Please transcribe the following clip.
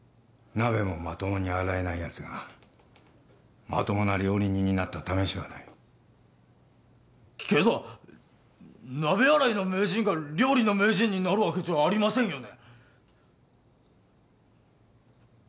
鍋もまともに洗えないやつがまともな料理人になった試しはないけど鍋洗いの名人が料理の名人になるわけじゃありませんよね